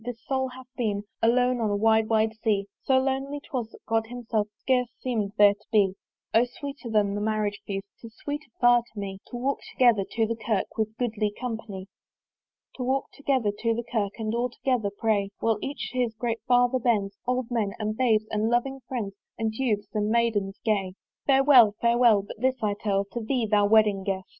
this soul hath been Alone on a wide wide sea: So lonely 'twas, that God himself Scarce seemed there to be. O sweeter than the Marriage feast, 'Tis sweeter far to me To walk together to the Kirk With a goodly company. To walk together to the Kirk And all together pray, While each to his great father bends, Old men, and babes, and loving friends, And Youths, and Maidens gay. Farewell, farewell! but this I tell To thee, thou wedding guest!